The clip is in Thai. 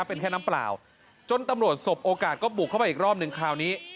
อ๋อเอามาก่อน